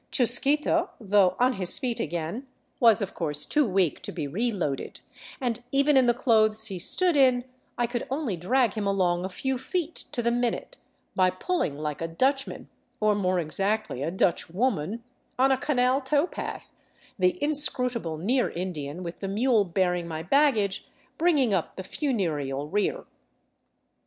Chusquito, though on his feet again, was of course too weak to be reloaded, and even in the clothes he stood in I could only drag him along a few feet to the minute by pulling like a Dutchman — or more exactly, a Dutch woman — on a canal tow path, the inscrutable near Indian, with the mule bearing my baggage, bringing up the funereal rear.